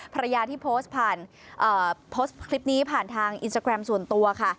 ภรรยาที่โพสต์ผ่านโพสต์คลิปนี้ผ่านทางอินสตาแกรมส่วนตัวค่ะ